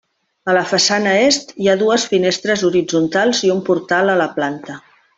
A la façana est hi ha dues finestres horitzontals i un portal a la planta.